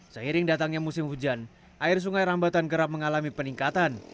seiring datangnya musim hujan air sungai rambatan kerap mengalami peningkatan